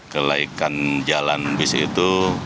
kelaikan jalan bis itu